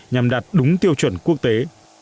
nhằm đạt đúng tiêu chuẩn quốc tế